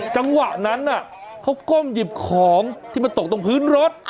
จังหวะนั้นเขาก้มหยิบของที่มันตกตรงพื้นรถ